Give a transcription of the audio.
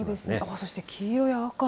そして黄色や赤も。